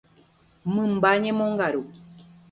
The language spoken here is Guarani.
Mymba ñemongaru.